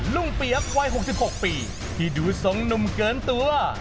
รุ่งเปียกวัย๖๖ปีที่ดูสงนุ่มเกินตัว